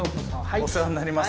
お世話になります。